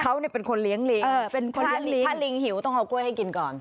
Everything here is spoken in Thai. เขาเป็นคนเลี้ยงลิงถ้าลิงหิวต้องเอากล้วยให้กินก่อน